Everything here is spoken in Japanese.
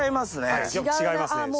はい違いますね。